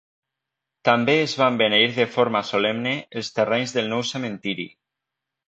També es van beneir de forma solemne els terrenys del nou cementiri.